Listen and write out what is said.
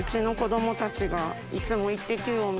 いつも。